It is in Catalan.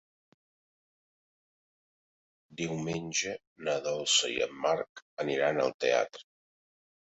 Diumenge na Dolça i en Marc aniran al teatre.